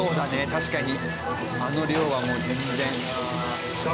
確かにあの量はもう全然。